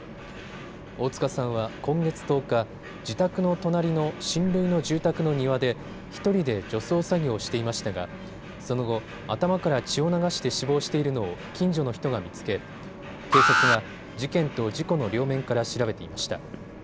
大塚さんは今月１０日、自宅の隣の親類の住宅の庭で１人で除草作業をしていましたがその後、頭から血を流して死亡しているのを近所の人が見つけ警察が事件と事故の両面から調べていました。